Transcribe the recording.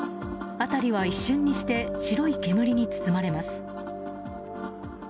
辺りは一瞬にして白い煙に包まれます。